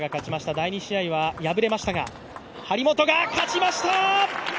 第２試合は敗れましたが、張本が勝ちました！